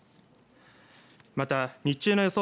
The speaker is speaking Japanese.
また、日中の予想